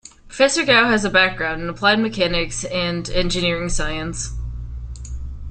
Professor Gao has a background in applied mechanics and engineering science.